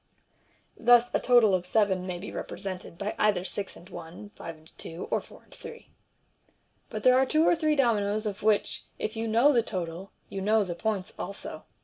(Thus a total of seven may be represented by either six and one, five and two, or four and three.) But there are two or three dominoes of which, if you know the total, you know the points also.